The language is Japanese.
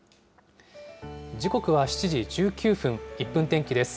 時刻は７時１９分、１分天気です。